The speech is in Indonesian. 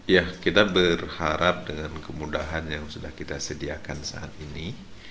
ya kita berharap dengan kemudahan yang sudah kita sediakan saat ini